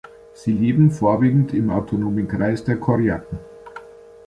Sie leben vorwiegend im Autonomen Kreis der Korjaken.